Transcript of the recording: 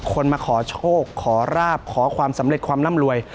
คนมาขอโชคขอราบขอความสำเร็จความร่ำรวย